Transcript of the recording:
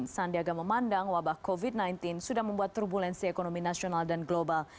sandiaga memandang wabah covid sembilan belas sudah membuat turbulensi ekonomi nasional dan global